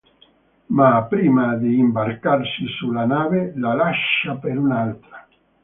Ma, prima di imbarcarsi sulla nave, la lascia per un'altra.